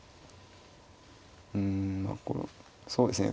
うんそうですね